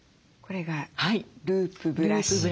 これがループブラシ。